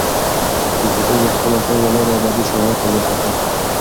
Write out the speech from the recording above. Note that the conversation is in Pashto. تولستوی د خپلو اثارو له لارې ابدي شهرت ترلاسه کړ.